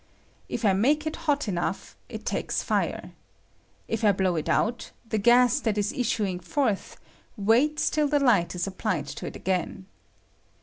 If I mate it hot enough, it takes fire. If I blow it out, the gas that 13 issuing forth waits till the light ia ap plied to it again.